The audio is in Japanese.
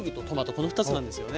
この２つなんですよね。